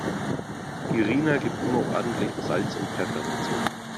Irina gibt immer ordentlich Salz und Pfeffer dazu.